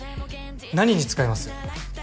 何に使います？